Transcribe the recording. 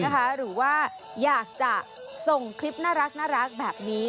หรือว่าอยากจะส่งคลิปน่ารักแบบนี้